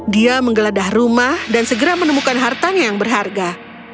dia menggeledah rumah dan segera menemukan hartanya yang berharga